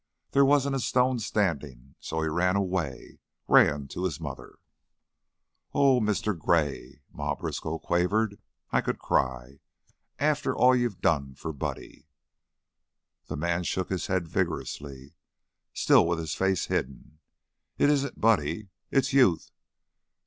There wasn't a stone standing, so he ran away ran to his mother." "Oh, Mr. Gray!" Ma Briskow quavered. "I could cry. An' after all you done for Buddy!" The man shook his head vigorously, still with his face hidden. "It isn't Buddy. It's youth.